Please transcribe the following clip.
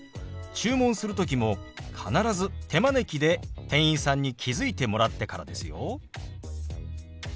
注文する時も必ず手招きで店員さんに気付いてもらってからですよ。